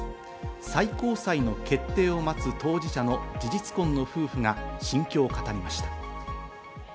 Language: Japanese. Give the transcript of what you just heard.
最高裁の決定を待つ当事者の事実婚の夫婦が心境を語りました。